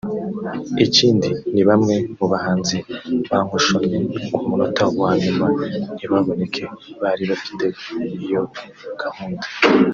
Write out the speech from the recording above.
I kindi ni bamwe mu bahanzi bankoshonnye ku munota wa nyuma ntibaboneke bari bafite iyo gahunda